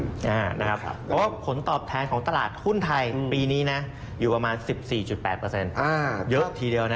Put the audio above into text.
เพราะว่าผลตอบแทนของตลาดหุ้นไทยปีนี้อยู่ประมาณ๑๔๘เยอะทีเดียว